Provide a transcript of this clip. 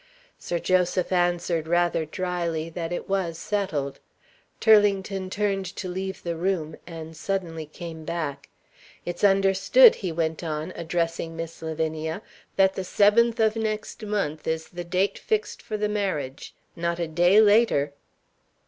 Sir Joseph answered rather dryly that it was settled. Turlington turned to leave the room and suddenly came back. "It's understood," he went on, addressing Miss Lavinia, "that the seventh of next month is the date fixed for the marriage. Not a day later!"